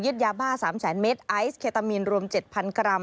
ยาบ้า๓แสนเมตรไอซ์เคตามีนรวม๗๐๐กรัม